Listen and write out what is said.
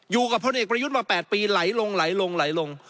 อยู่กับพลังเอกประยุทธมา๘ปีไหลลง